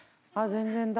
全然だ。